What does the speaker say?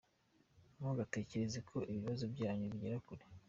Ntugategereza ko ibibazo byanyu bigera kure.